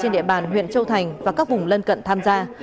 để bàn huyện châu thành và các vùng lân cận tham gia